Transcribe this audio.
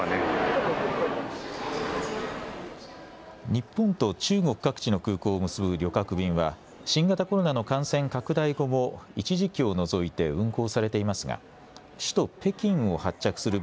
日本と中国各地の空港を結ぶ旅客便は新型コロナの感染拡大後も一時期を除いて運航されていますが首都・北京を発着する